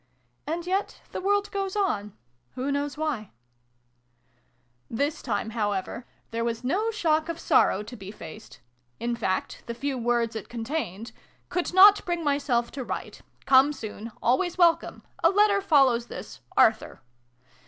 And yet the world goes on. Who knows why ? This time, however, there was no shock of sorrow to be faced : in fact, the few words it contained (" Could not bring myself to write. Come soon. Always welcome. A letter follows this. Arthur.")